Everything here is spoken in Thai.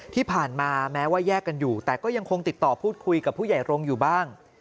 ที่ผ่านมาแม้ว่าแยกกันอยู่แต่ก็ยังคงติดต่อพูดคุยกับผู้ใหญ่โรงอยู่บ้าง